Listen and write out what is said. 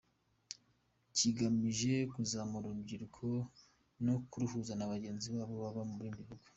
Kigamije kuzamura urubyiruko no kuruhuza na bagenzi babo baba mu bindi bihugu.